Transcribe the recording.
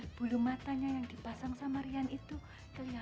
itu dia makanya saya eling mas johnny